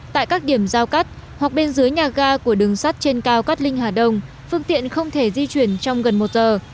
tại các điểm giao cắt hoặc bên dưới nhà ga của đường sắt trên cao cát linh hà đông phương tiện không thể di chuyển trong gần một giờ